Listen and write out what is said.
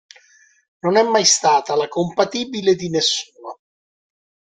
E non è mai stata la compatibile di nessuno.